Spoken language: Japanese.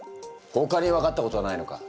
ほかに分かったことはないのか？